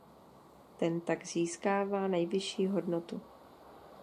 Ten tak získává nejvyšší hodnotu.